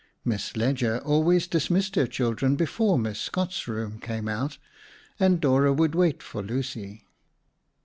Miss Leger always dismissed her children before Miss Scott's room came out, and Dora would wait for Lucy.